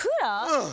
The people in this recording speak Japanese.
うん。